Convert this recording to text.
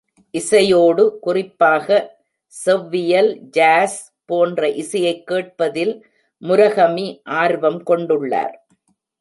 இசையோடு, குறிப்பாக செவ்வியல், ஜாஸ் போன்ற இசையைக் கேட்பதில் முரகமி ஆர்வம் கொண்டுள்ளார்.